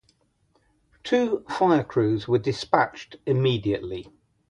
Two fire crews were dispatched immediately.